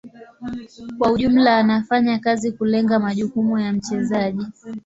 Kwa ujumla wanafanya kazi kulenga majukumu ya mchezaji.